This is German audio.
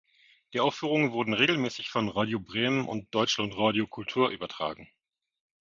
Die Aufführungen wurden regelmäßig von Radio Bremen und Deutschlandradio Kultur übertragen.